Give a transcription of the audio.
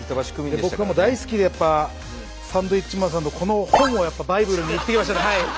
僕も大好きでやっぱサンドウィッチマンさんのこの本をやっぱバイブルに生きてきましたんで。